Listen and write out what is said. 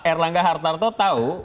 erlangga hartarto tahu